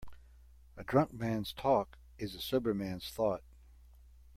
A drunk man's talk is a sober man's thought.